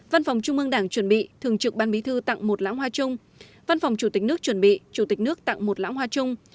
văn phòng trung ương đảng chuẩn bị thường trực ban bí thư tặng một lãng hoa chung văn phòng chủ tịch nước chuẩn bị chủ tịch nước tặng một lãng hoa chung